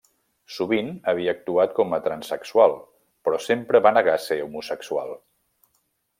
Sovint havia actuat com a transsexual però sempre va negar ser homosexual.